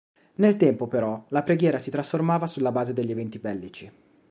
Nel tempo però la preghiera si trasformava sulla base degli eventi bellici.